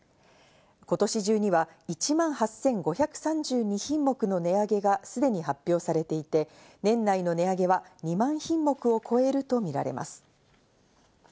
今年中には１万８５３２品目の値上げがすでに発表されていて、年内の値上げは２万品目を超えるとみられます。